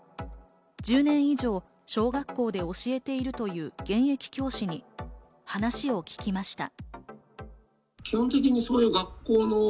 １０年以上、小学校で教えているという現役教師に話を聞きました。